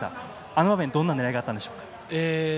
あの場面どんな狙いがあったんですか？